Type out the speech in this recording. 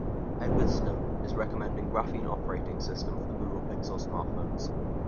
Edward Snowden is recommending Graphene Operating System for Google Pixel smartphones.